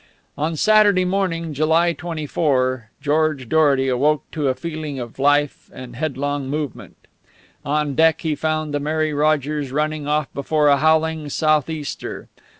On Saturday morning, July 24, George Dorety awoke to a feeling of life and headlong movement. On deck he found the Mary Rogers running off before a howling southeaster.